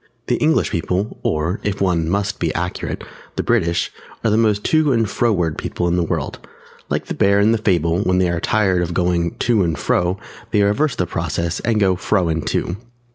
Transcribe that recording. _] The English People, or (if one must be accurate) the British, are the most to and fro ward people in the world; like the bear in the fable when they are tired of going to and fro they reverse the process and go fro and to.